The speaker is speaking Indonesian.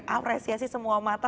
apresiasi semua mata